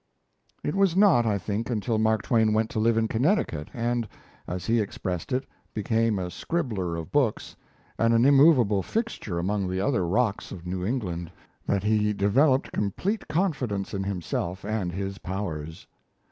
It was not, I think, until Mark Twain went to live in Connecticut and, as he expressed it, became a scribbler of books, and an immovable fixture among the other rocks of New England, that he developed complete confidence in himself and his powers.